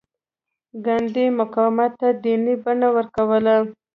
ګاندي مقاومت ته دیني بڼه ورکوله.